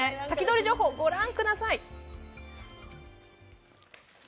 先取り情報、ご覧ください。